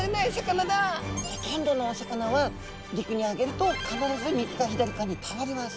ほとんどのお魚は陸にあげると必ず右か左かに倒れます。